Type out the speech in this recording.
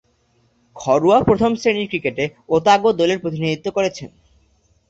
ঘরোয়া প্রথম-শ্রেণীর ক্রিকেটে ওতাগো দলে প্রতিনিধিত্ব করছেন।